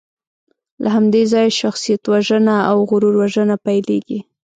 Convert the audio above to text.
له همدې ځایه شخصیتوژنه او غرور وژنه پیلېږي.